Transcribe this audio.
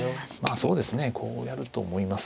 そうですねこうやると思います。